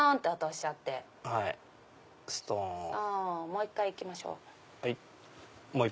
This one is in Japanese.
もう１回行きましょう。